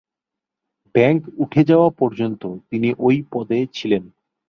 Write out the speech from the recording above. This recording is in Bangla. ব্যাংক উঠে যাওয়া পর্যন্ত তিনি ওই পদে ছিলেন।